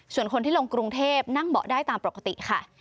ส่วนคนที่ลงกรุงเทพนั่งเบาะได้ตามปกติค่ะ